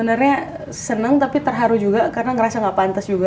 karena seneng tapi terharu juga karena ngerasa gak pantas juga